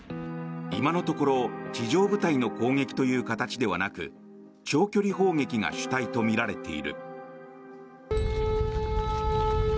今のところ地上部隊の攻撃という形ではなく長距離砲撃が主体とみられている。